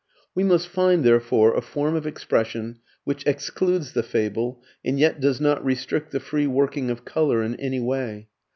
We must find, therefore, a form of expression which excludes the fable and yet does not restrict the free working of colour in any way.